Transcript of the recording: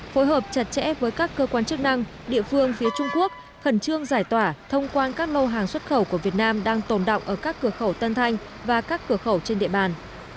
phối hợp chặt chẽ với các cơ quan chức năng địa phương phía trung quốc khẩn trương giải tỏa thông quan các lô hàng xuất khẩu của việt nam đang tồn động ở các cửa khẩu tân thanh và các cửa khẩu trên địa bàn